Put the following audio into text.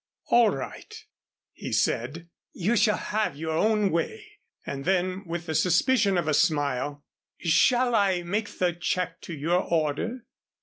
"All right," he said, "you shall have your own way." And then, with the suspicion of a smile, "Shall I make a check to your order?"